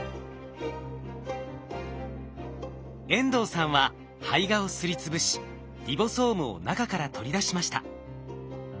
遠藤さんは胚芽をすりつぶしリボソームを中から取り出しました。